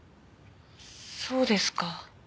そうですか。